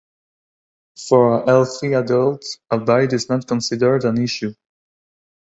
For a healthy adult, a bite is not considered an issue.